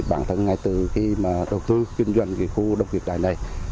bản thân ngay từ khi đầu tư kinh doanh khu đông kiệt đại này